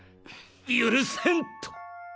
許せん！と。